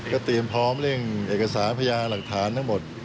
เตรียมพร้อมเร่งเอกสารพญาหลักฐานทั้งหมด